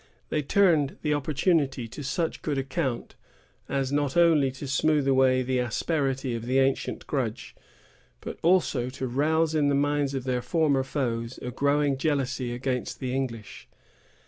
They turned the opportunity to such good account, as not only to smooth away the asperity of the ancient grudge, but also to rouse in the minds of their former foes a growing jealousy against the English.